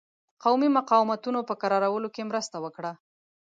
قومي مقاومتونو په کرارولو کې مرسته وکړه.